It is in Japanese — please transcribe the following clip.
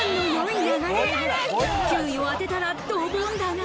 ９位を当てたらドボンだが。